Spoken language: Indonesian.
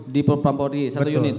di pro pampolri satu unit